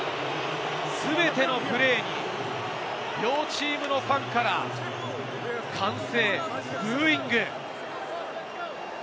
全てのプレーに両チームのファンから歓声、ブーイング。